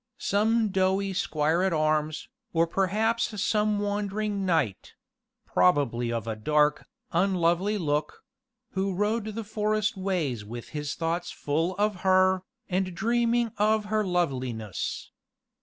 Some doughty squire at arms, or perhaps some wandering knight (probably of a dark, unlovely look), who rode the forest ways with his thoughts full of Her, and dreaming of Her loveliness.